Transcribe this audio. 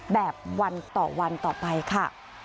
แบบวันต่อวันต่อไปค่ะ